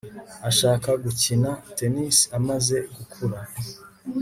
Ashaka gukina tennis amaze gukura